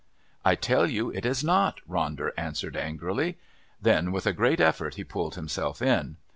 "I tell you it is not!" Ronder answered angrily. Then with a great effort he pulled himself in.